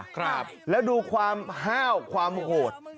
ประเภทประเภทประเภท